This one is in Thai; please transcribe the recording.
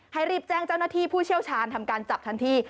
รีบแจ้งเจ้าหน้าที่ผู้เชี่ยวชาญทำการจับทันที